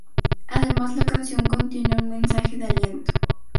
Además, la canción contiene un mensaje de aliento.